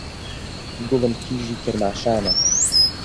گوڵم کیژی کرماشانا